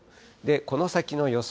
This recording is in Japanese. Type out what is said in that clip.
この先の予想